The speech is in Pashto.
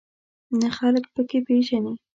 نه خلک په کې پېژنې.